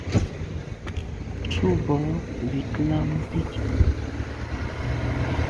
Tshu bo ywit là bit.